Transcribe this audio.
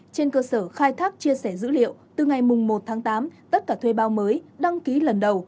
trên cơ sở khai thác chia sẻ dữ liệu từ ngày một tháng tám tất cả thuê bao mới đăng ký lần đầu